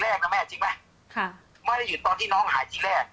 แม่ยังคงมั่นใจและก็มีความหวังในการทำงานของเจ้าหน้าที่ตำรวจค่ะ